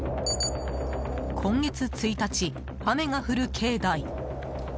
今月１日、雨が降る境内。